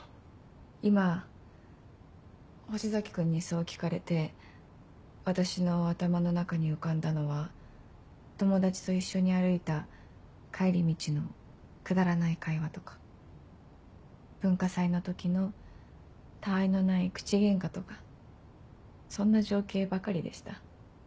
今星崎君にそう聞かれて私の頭の中に浮かんだのは友達と一緒に歩いた帰り道のくだらない会話とか文化祭の時のたわいのない口ゲンカとかそんな情景ばかりでした。